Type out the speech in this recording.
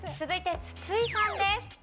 続いて筒井さんです。